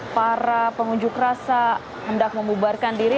para pengunjuk rasa hendak membubarkan diri